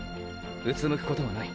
うつむくことはない。